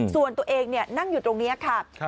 ส่วนตัวเองเนี่ยนั่งอยู่ตรงนี้ครับ